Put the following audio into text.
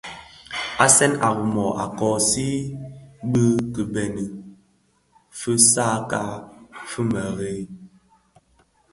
Asen a Rimoh a koosi yü bi kibeňi ki fitsakka fi merad.